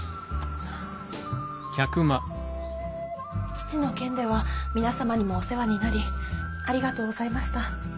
父の件では皆様にもお世話になりありがとうございました。